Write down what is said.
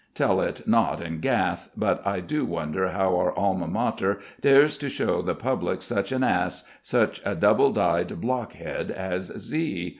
Tell it not in Gath, but I do wonder how our alma mater dares to show the public such an ass, such a double dyed blockhead as Z.